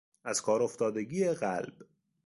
از کار افتادگی قلب